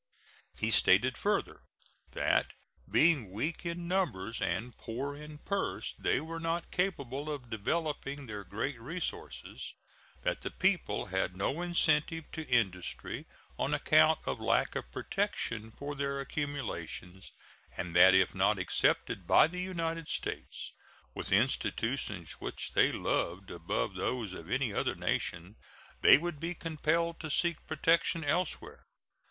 He stated further that, being weak in numbers and poor in purse, they were not capable of developing their great resources; that the people had no incentive to industry on account of lack of protection for their accumulations, and that if not accepted by the United States with institutions which they loved above those of any other nation they would be compelled to seek protection elsewhere.